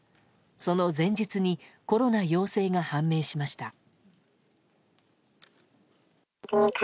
その前日にコロナ陽性が判明しました。